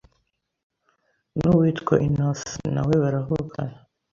n’uwitwa Inoc nawe baravukana